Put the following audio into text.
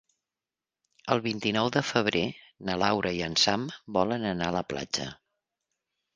El vint-i-nou de febrer na Laura i en Sam volen anar a la platja.